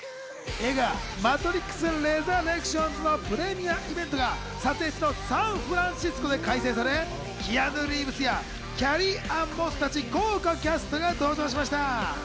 映画『マトリックスレザレクションズ』のプレミアイベントが撮影地のサンフランシスコで開催され、キアヌ・リーブスやキャリー＝アン・モスたち豪華キャストが登場しました。